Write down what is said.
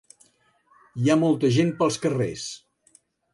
Hi ha molta gent pels carrers.